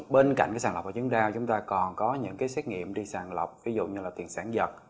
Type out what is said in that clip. bên cạnh cái sàn lọc hội chứng đau chúng ta còn có những cái xét nghiệm đi sàn lọc ví dụ như là tiền sản vật